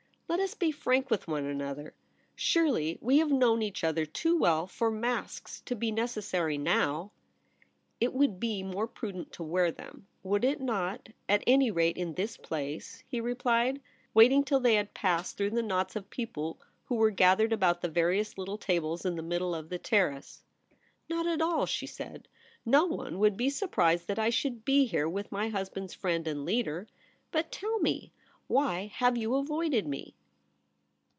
* Let us be frank with one another. Surely we have known each other too well for masks to be necessary now.' It w^ould be more prudent to wear them. 48 THE REBEL ROSE. would it not — at any rate in this place ?' he replied, waiting till they had passed through the knots of people who were gathered about the various little tables in the middle of the Terrace. * Not at all/ she said. ' No one would be surprised that I should be here with my husband's friend and leader. But tell me, why have you avoided me